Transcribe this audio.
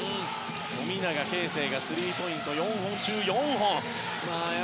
富永啓生がスリーポイントを４本中４本。